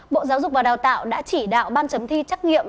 bộ giáo dục và đào tạo đã chỉ đạo ban chấm thi trắc nghiệm